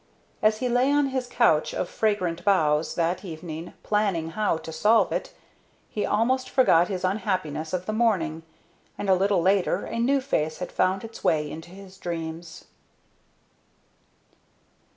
As he lay on his couch of fragrant boughs that evening planning how to solve it, he almost forgot his unhappiness of the morning, and a little later a new face had found its way into his dreams.